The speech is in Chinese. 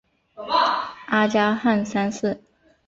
阿加汗三世。